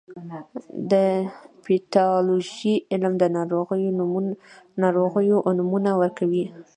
د پیتالوژي علم د ناروغیو نومونه ورکوي.